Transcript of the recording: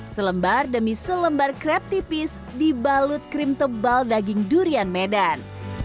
selembar demi selembar krep tipis dibalut krim tebal daging durian medan